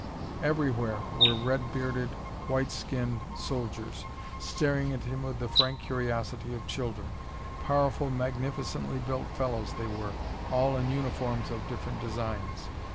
Everywhere were red bearded, white skinned soldiers, staring at him with the frank curiosity of children. Powerful, magnificently built fellows they were, all in uniforms of different designs.